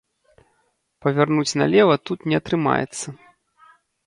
Павярнуць налева тут не атрымаецца.